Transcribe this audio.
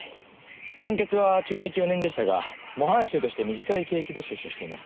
判決は懲役４年でしたが模範囚として短い刑期で出所しています。